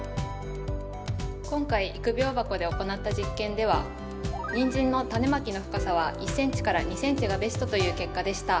今回育苗箱で行った実験ではニンジンのタネまきの深さは１ｃｍ２ｃｍがベストという結果でした。